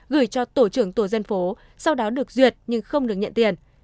gửi cho tổ trưởng tổ dân phố sau đó được duyệt nhưng không được nhận tiền